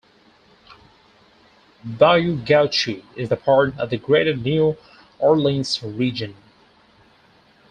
Bayou Gauche is part of the Greater New Orleans region.